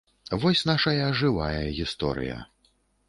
Вось нашая жывая гісторыя!